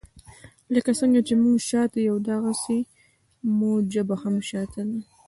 لکه څنګه چې موږ شاته یو داغسي مو ژبه هم شاته ده.